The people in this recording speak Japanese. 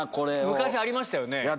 昔ありましたよね。